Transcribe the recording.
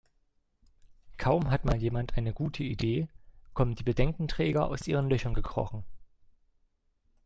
Kaum hat mal jemand eine gute Idee, kommen die Bedenkenträger aus ihren Löchern gekrochen.